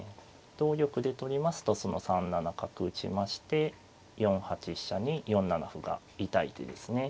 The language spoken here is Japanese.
同玉で取りますとその３七角打ちまして４八飛車に４七歩が痛い手ですね。